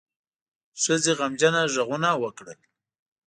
ښځې غمجنه غږونه وکړل.